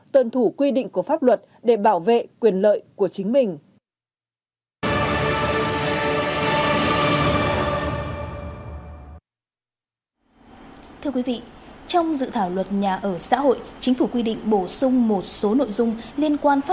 tuân thủ quy định của pháp luật để bảo vệ quyền lợi của chính mình